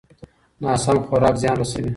ناسم خوراک زیان رسوي.